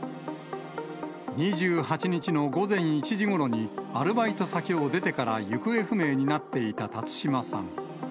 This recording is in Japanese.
２８日の午前１時ごろに、アルバイト先を出てから行方不明になっていた辰島さん。